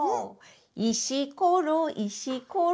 「いしころいしころ」